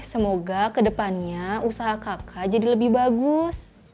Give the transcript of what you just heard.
semoga kedepannya usaha kakak jadi lebih bagus